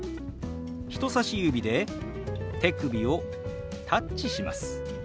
人さし指で手首をタッチします。